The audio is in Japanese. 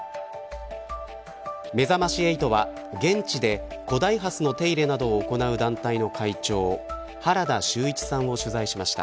めざまし８は現地で古代ハスの手入れなどを行う団体の会長原田秀一さんを取材しました。